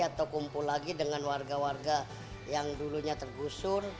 atau kumpul lagi dengan warga warga yang dulunya tergusur